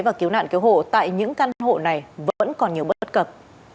và cứu nạn cứu hộ tại những căn hộ này vẫn còn nhiều bất cập